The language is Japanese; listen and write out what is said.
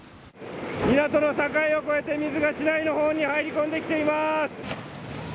港の境を越えて水が市内の方に入り込んできています。